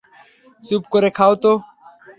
চুপ করে খাও তো।